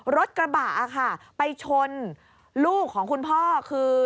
รถกระบะค่ะไปชนลูกของคุณพ่อคือ